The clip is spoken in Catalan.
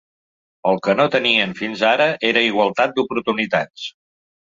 El que no tenien, fins ara, era igualtat d’oportunitats.